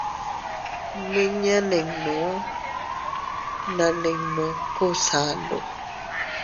Miña ninnu na nino Kubsandu.